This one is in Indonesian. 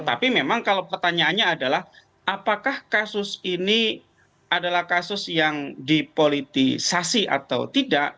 tapi memang kalau pertanyaannya adalah apakah kasus ini adalah kasus yang dipolitisasi atau tidak